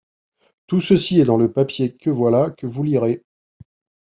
Tout ceci est dans le papier que voilà, que vous lirez.